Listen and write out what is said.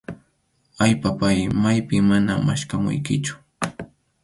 Ay, papáy, maypim mana maskhamuykichu.